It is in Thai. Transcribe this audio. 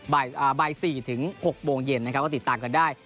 บ่าย๔ถึง๖โมงเย็นนะครับก็ติดตามกันได้